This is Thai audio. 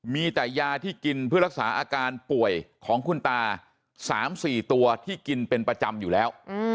มีแต่ยาที่กินเพื่อรักษาอาการป่วยของคุณตา๓๔ตัวที่กินเป็นประจำอยู่แล้ว